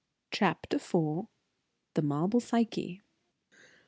CHAPTER IV. THE MARBLE PSYCHE.